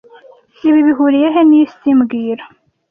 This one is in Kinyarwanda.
Ibi bihuriye he nisi mbwira